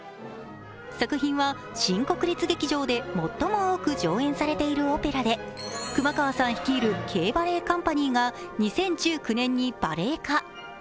作品は新国立劇場で最も多く上演されているオペラで、熊川さん率いるＫバレエカンパニーが２０１９年にバレエ化。